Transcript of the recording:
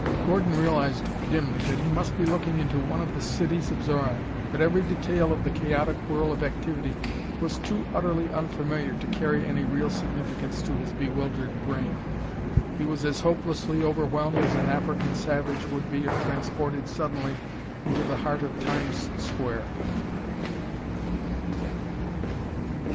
Gordon realized dimly that he must be looking into one of the cities of Xoran, but every detail of the chaotic whirl of activity was too utterly unfamiliar to carry any real significance to his bewildered brain. He was as hopelessly overwhelmed as an African savage would be if transported suddenly into the heart of Times Square.